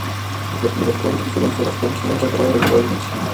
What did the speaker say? زده کوونکي په ټولګي کې د خپل ښوونکي خبرو ته غوږ نیسي.